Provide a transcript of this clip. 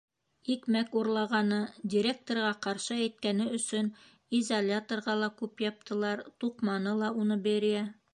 Икмәк урлағаны, директорға ҡаршы әйткәне өсөн изоляторға ла күп яптылар, туҡманы ла уны Берия.